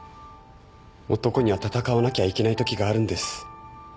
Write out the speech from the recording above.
男には戦わなきゃいけないときがあるんです。